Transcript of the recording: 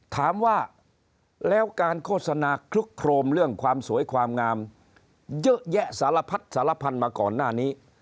ถามว่าแล้วการโฆษณาคลุกโครมเรื่องความสวยความงามเยอะแยะสารพัดสารพันธุ์มาก่อนหน้านี้